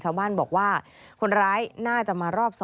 ชาวบ้านบอกว่าคนร้ายน่าจะมารอบ๒